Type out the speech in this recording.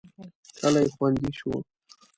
کلی خوندي شو.